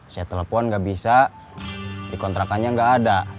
saya telepon gak bisa di kontrakannya gak ada